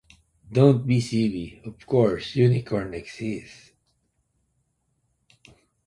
Don't be silly! Of course Unicorns exist!